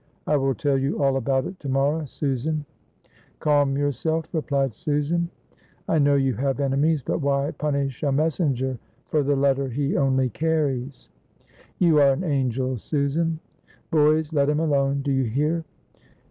"I will tell you all about it to morrow, Susan." "Calm yourself," replied Susan. "I know you have enemies, but why punish a messenger for the letter he only carries?" "You are an angel, Susan. Boys, let him alone, do you hear?"